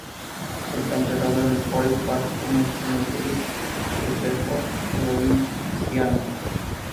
Está enterrado en el Forest Park Cemetery en Shreveport, Louisiana.